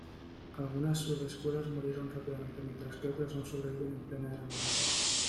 Algunas sub-escuelas murieron rápidamente, mientras que otras aún sobreviven en plena era moderna.